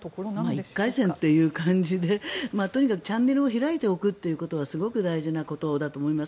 １回戦という感じでとにかくチャンネルを開いておくことはすごく大事なことだと思います。